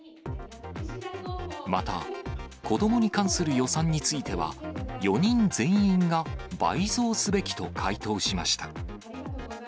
また、子どもに関する予算については、４人全員が倍増すべきと回答しました。